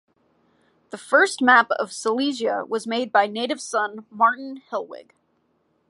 The first map of Silesia was made by native son Martin Helwig.